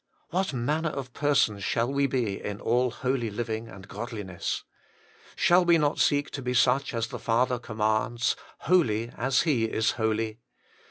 ' What manner of persons shall we be in all holy living and godliness !' Shall we not seek to be such as the Father commands, ' Holy, as He is holy